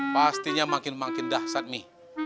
pastinya makin makin dahsat mi